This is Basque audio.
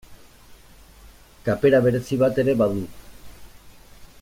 Kapera berezi bat ere badu.